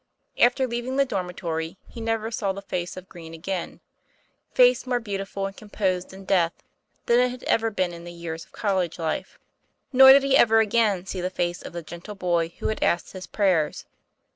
After leaving the dormitory, he never saw the face of Green again, face more beautiful and composed in death than it had ever been in the years of col lege life. Nor did he ever again see the face of the gentle boy who had asked his prayers.